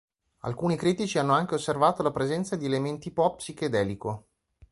Alcuni critici hanno anche osservato la presenza di elementi pop psichedelico.